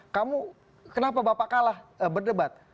kamu kenapa bapak kalah berdebat